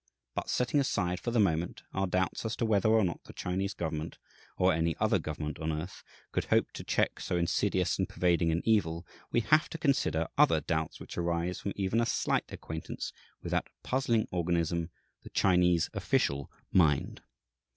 But setting aside, for the moment, our doubts as to whether or not the Chinese government, or any other government on earth, could hope to check so insidious and pervading an evil, we have to consider other doubts which arise from even a slight acquaintance with that puzzling organism, the Chinese official mind.